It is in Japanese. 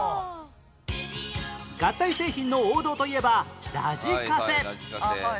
合体製品の王道といえばラジカセ